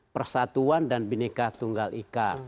persatuan dan bineka tunggal ika